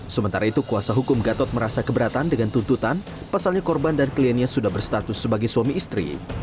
sementara itu kuasa hukum gatot merasa keberatan dengan tuntutan pasalnya korban dan kliennya sudah berstatus sebagai suami istri